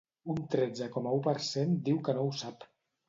Un tretze coma u per cent diu que no ho sap.